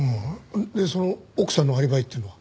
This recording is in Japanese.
でその奥さんのアリバイっていうのは？